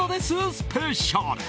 スペシャル！